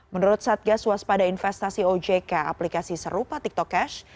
menurut satgas waspada investasi ojk aplikasi serupa tiktok cash